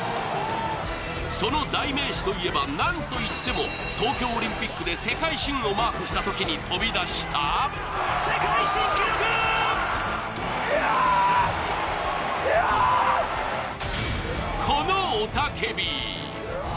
その代名詞といえば、なんといっても東京オリンピックのときに飛び出したこの雄たけび。